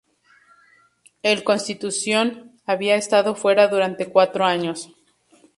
El Constitution había estado fuera durante cuatro años".